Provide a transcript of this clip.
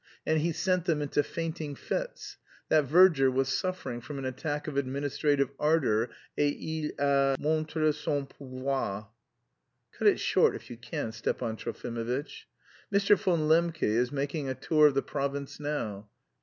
And he sent them into fainting fits.... That verger was suffering from an attack of administrative ardour, et il a montré son pouvoir." "Cut it short if you can, Stepan Trofimovitch." "Mr. von Lembke is making a tour of the province now.